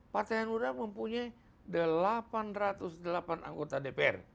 partai yang sudah mempunyai delapan ratus delapan anggota dpr